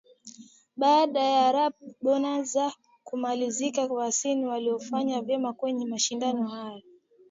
Baada ya Yo Rap Bonanza kumalizika wasanii waliofanya vyema kwenye mashindano hayo